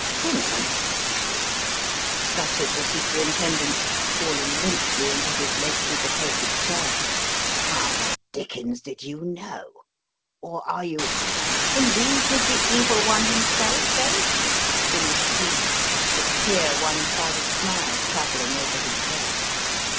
"Cinnamon! Cleek," stuttered the Superintend ent, falling limply into his lately vacated chair. "How the dickens did you know, or are you " "In league with the Evil One himself, eh?" finished Cleek, the queer, one sided smile travelling over his face.